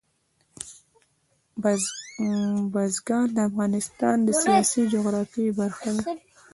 بزګان د افغانستان د سیاسي جغرافیه برخه ده.